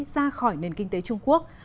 ra khỏi nền kinh tế trung quốc